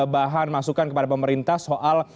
bahan masukan kepada pemerintah soal